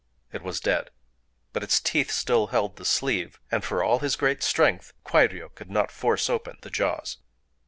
It was dead. But its teeth still held the sleeve; and, for all his great strength, Kwairyō could not force open the jaws.